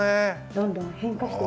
どんどん変化して。